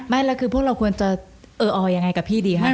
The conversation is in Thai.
ไม่แล้วคือพวกเราควรจะเอออยังไงกับพี่ดีครับ